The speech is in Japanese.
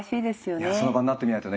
いやその場になってみないとね